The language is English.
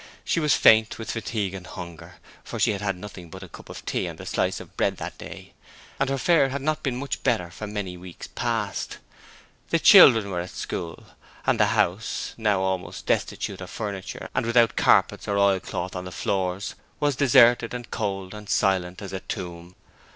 She was faint with fatigue and hunger, for she had had nothing but a cup of tea and a slice of bread that day, and her fare had not been much better for many weeks past. The children were at school, and the house now almost destitute of furniture and without carpets or oilcloth on the floors was deserted and cold and silent as a tomb.